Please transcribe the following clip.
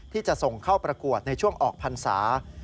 ที่จะส่งเข้าประกวดในช่วงออกพันธ์ศาสตร์